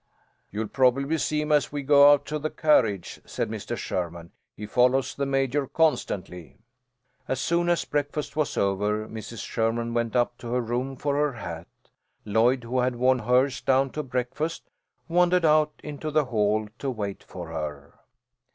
"You'll probably see him as we go out to the carriage," said Mr. Sherman. "He follows the Major constantly." As soon as breakfast was over, Mrs. Sherman went up to her room for her hat. Lloyd, who had worn hers down to breakfast, wandered out into the hall to wait for her.